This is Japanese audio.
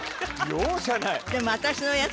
容赦ない。